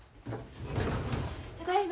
ただいま。